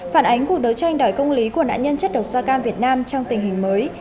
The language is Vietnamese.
phản ánh cuộc đấu tranh đòi công lý của nạn nhân chất độc da cam việt nam trong tình hình mới